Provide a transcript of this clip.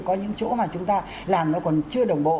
có những chỗ mà chúng ta làm nó còn chưa đồng bộ